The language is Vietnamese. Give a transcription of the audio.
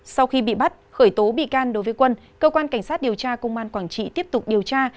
sau khi bị bắt khởi tố bị can đối với quân cơ quan cảnh sát điều tra công an quảng trị tiếp tục điều tra